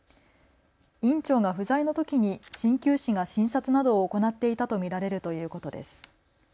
院長が不在のときにしんきゅう師が診察などを行っていたと見られるということです。